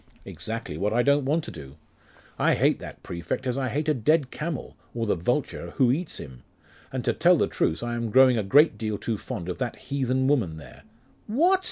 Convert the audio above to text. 'Exactly what I don't want to do. I hate that prefect as I hate a dead camel, or the vulture who eats him. And to tell the truth, I am growing a great deal too fond of that heathen woman there ' 'What?